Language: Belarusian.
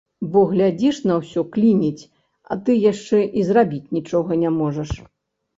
Бо глядзіш на ўсё, клініць, а ты яшчэ і зрабіць нічога не можаш.